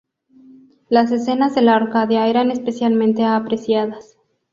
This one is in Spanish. Las escenas de La Arcadia eran especialmente apreciadas.